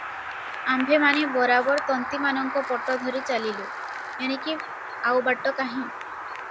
ଆମ୍ଭେମାନେ ବରାବର ତନ୍ତୀମାନଙ୍କ ପଟ ଧରି ଚାଲିଲୁ, ଏଣିକି ଆଉ ବାଟ କାହିଁ?